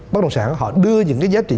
bất động sản họ đưa những cái giá trị